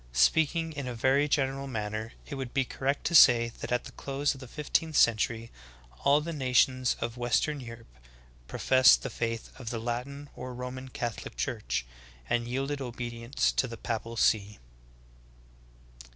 Speaking in a very general manner it would be correct to say that at the close of the fifteenth century all the nations of West 152 THE GREAT APOSTASY. ern Europe professed the faith of the Latin or Roman Cath olic Church, and yielded obedience to the Papal See."